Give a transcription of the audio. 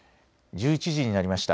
１１時になりました。